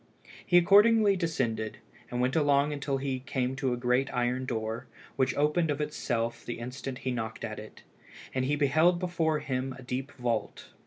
He accordingly descended, and went along till he came to a great iron door, which opened of itself the instant he knocked at it, and he beheld before him a deep vault.